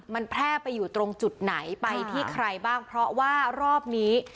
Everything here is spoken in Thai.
มันแพร่ไปอยู่ตรงจุดไหนไปที่ใครบ้างเพราะว่ารอบนี้